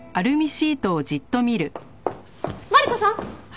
マリコさん！？